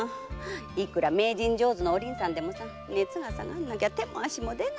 いくら名人上手のお凛さんでも熱が下がんなきゃ手が出ないよ。